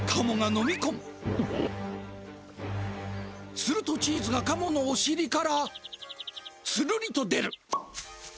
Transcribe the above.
するとチーズがカモのおしりからつるりと出る。